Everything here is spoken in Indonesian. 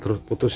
terus putus ya